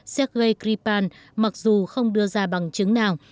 sergei grifan mặc dù không đưa ra bằng chứng nào